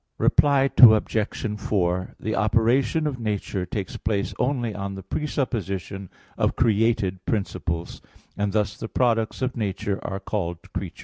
Reply Obj. 4: The operation of nature takes place only on the presupposition of created principles; and thus the products of nature are called creatures.